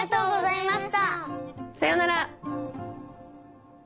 さようなら。